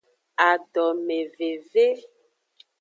Adomeveve.